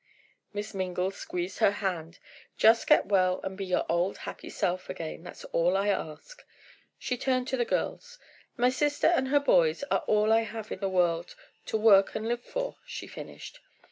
Miss Mingle squeezed her hand. "Just get well and be your old, happy self again, that's all I ask." She turned to the girls. "My sister and her boys are all I have in the world to work and live for," she finished.